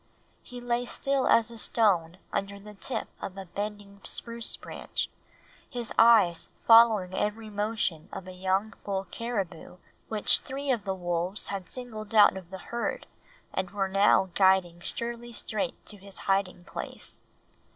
He lay still as a stone under the tip of a bending spruce branch, his eyes following every motion of a young bull caribou which three of the wolves had singled out of the herd and were now guiding surely straight to his hiding place.